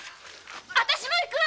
私も行く！